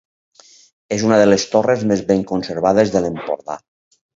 És una de les torres més ben conservades de l'Empordà.